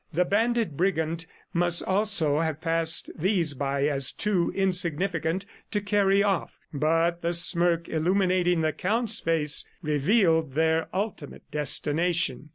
The banded brigand must also have passed these by as too insignificant to carry off, but the smirk illuminating the Count's face revealed their ultimate destination.